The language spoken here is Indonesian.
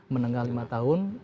menengah lima tahun